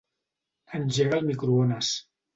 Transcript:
Engega el microones.